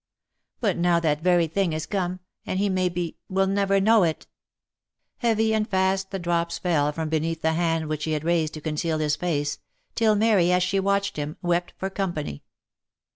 But now that very thing is come ; and he, maybe, wijl never know it !" Heavy and fast the drops fell from beneath the hand which he had raised to conceal his face, till Mary, as she watched him, wept for company.